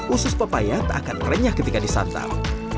usus pepaya tak akan renyah ketika disantap